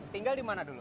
tinggal di mana dulu